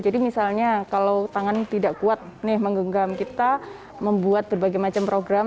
jadi misalnya kalau tangan tidak kuat menggenggam kita membuat berbagai macam program